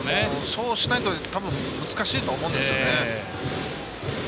そうしないとたぶん難しいとは思うんですよね。